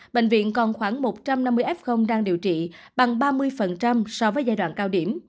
bệnh viện còn khoảng một trăm năm mươi f đang điều trị bằng ba mươi so với giai đoạn cao điểm